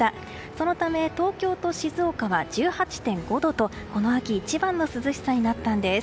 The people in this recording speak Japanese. そのため東京と静岡は１８．５度とこの秋一番の涼しさになったんです。